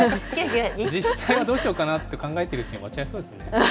実際は、どうしようかなって考えているうちに終わっちゃいそうですね。